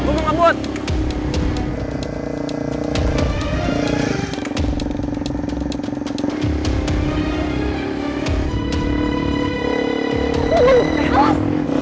man pegangin yang buat deh bubuk bubuk